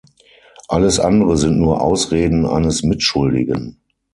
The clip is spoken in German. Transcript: Alles andere sind nur Ausreden eines Mitschuldigen.